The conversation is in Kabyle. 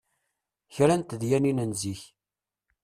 Kra n tedyanin n zik.